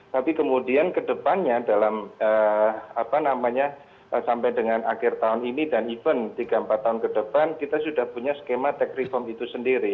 tapi kemudian kedepannya dalam sampai dengan akhir tahun ini dan event tiga empat tahun ke depan kita sudah punya skema tech reform itu sendiri